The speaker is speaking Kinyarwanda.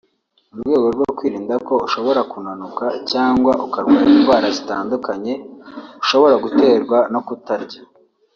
mu rwego rwo kwirinda ko ushobora kunanuka cyangwa ukarwara indwara zitandukanye ushobora guterwa no kutarya